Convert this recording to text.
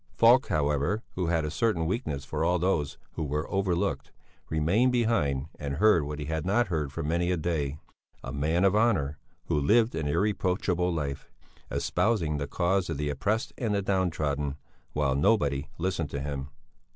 Falk, however, who had a certain weakness for all those who were overlooked remained behind and heard what he had not heard for many a day: a man of honour, who lived an irreproachable life, espousing the cause of the oppressed and the down trodden while nobody listened to him.